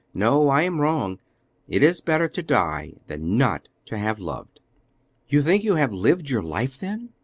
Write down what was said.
No; I am wrong. It is better to die than not to have loved." "You think you have lived your life, then.